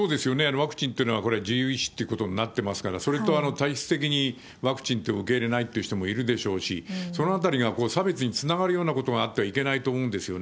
ワクチンっていうのはこれ、自由意思ってことになってますから、それと体質的にワクチン等受け入れないって人もいるでしょうし、そのあたりが差別につながるようなことがあってはいけないと思うんですよね。